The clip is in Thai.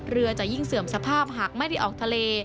จะยิ่งเสื่อมสภาพหากไม่ได้ออกทะเล